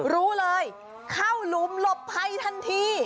รู้เลยเข้าหลุมหลบภัยทันที